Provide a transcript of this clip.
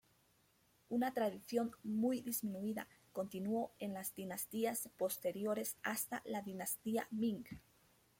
Una tradición muy disminuida continuó en las dinastías posteriores hasta la dinastía Ming.